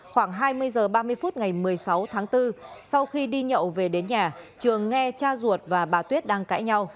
khoảng hai mươi h ba mươi phút ngày một mươi sáu tháng bốn sau khi đi nhậu về đến nhà trường nghe cha ruột và bà tuyết đang cãi nhau